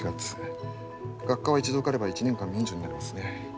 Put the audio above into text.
学科は一度受かれば１年間免除になりますね。